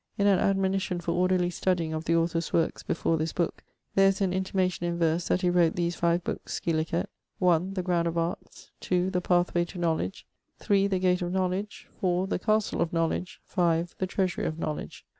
In an admonition for orderly studying of the author's workes before this booke there is an intimation in verse that he wrote these five bookes, scilicet, (1) The Ground of Arts, (2) the Pathway to Knowledge, (3) the Gate of Knowledge, (4) the Castle of Knowledge, (5) the Treasury of Knowledge.